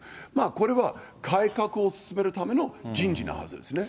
これは改革を進めるための人事なはずですよね。